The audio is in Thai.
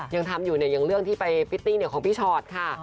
ยังทำอยู่ในเรื่องที่ไปปิตตี้ของพี่ชอตค่ะ